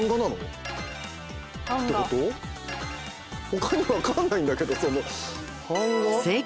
他に分かんないんだけど。